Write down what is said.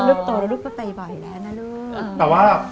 ลูกโตแล้วลูกก็ไปบ่อยแล้วนะลูก